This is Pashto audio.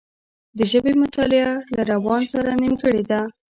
د ژبې مطالعه له روان سره نېمګړې ده